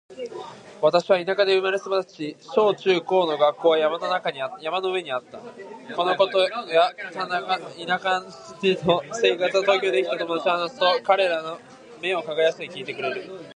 私は田舎で生まれ育ち、小・中・高は学校が山の上にあった。このことや田舎での生活を東京でできた友達に話すと、彼らは目を輝かせながら聞いてくれる。